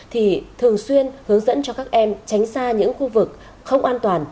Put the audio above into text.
thì thường xuyên hướng dẫn cho các em tránh xa những khu vực không an toàn